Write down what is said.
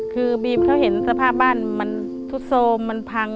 คือบีมเขาเห็นสภาพบ้านมันทุดโทรมมันพัง